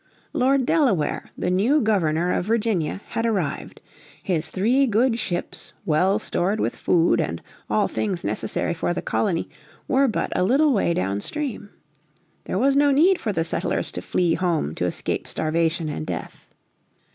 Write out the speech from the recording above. Lord Delaware, the new Governor of Virginia, had arrived. His three good ships, well stored with food and all things necessary for the colony, were but a little way down stream. There was no need for the settlers to flee home to escape starvation and death.